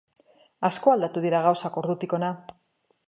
Asko aldatu dira gauzak ordutik hona.